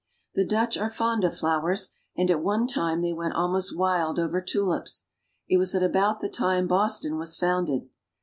The Dutch are fond of flowers, and at one time they went almost wild over tulips. It was at about the time Boston was founded.